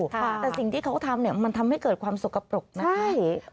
แต่สิ่งที่เขาทำเนี่ยมันทำให้เกิดความสกปรกนะคะ